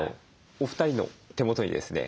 お二人の手元にですね